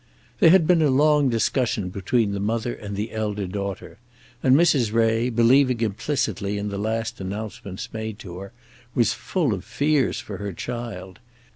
There had been a long discussion between the mother and the elder daughter; and Mrs. Ray, believing implicitly in the last announcements made to her, was full of fears for her child.